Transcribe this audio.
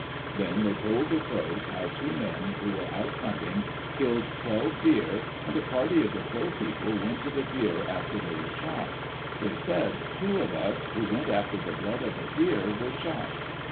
Then they told the crows how two men who were out hunting killed twelve deer, and a party of the Crow People went to the deer after they were shot. They said, "Two of us who went after the blood of the deer were shot."